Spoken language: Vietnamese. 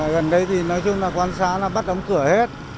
gần đây thì nói chung là quan sát là bắt đóng cửa hết